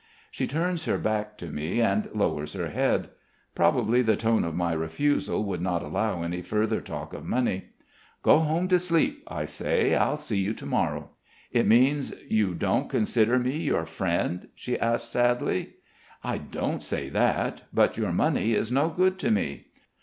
She turns her back to me and lowers her head. Probably the tone of my refusal would not allow any further talk of money. "Go home to sleep," I say. "I'll see you to morrow." "It means, you don't consider me your friend?" she asks sadly. "I don't say that. But your money is no good to me."